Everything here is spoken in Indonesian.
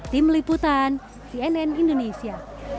tim liputan cnn indonesia